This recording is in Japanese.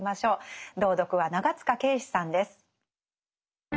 朗読は長塚圭史さんです。